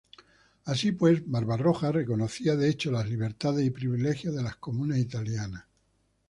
Así pues, Barbarroja reconocía de hecho las libertades y privilegios de las comunas italianas.